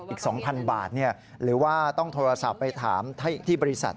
อีก๒๐๐๐บาทหรือว่าต้องโทรศัพท์ไปถามที่บริษัท